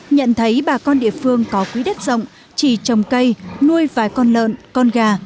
nhận thấy bà con địa phương có quý đất rộng trì trồng cây nuôi vài con lợn con gà